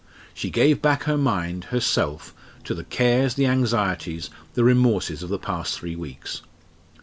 She gave back her mind, her self, to the cares, the anxieties, the remorses of the past three weeks.